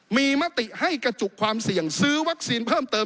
มีมติให้กระจุกความเสี่ยงซื้อวัคซีนเพิ่มเติม